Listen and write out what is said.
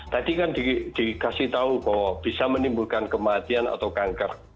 tadi kan dikasih tahu bahwa bisa menimbulkan kematian atau kanker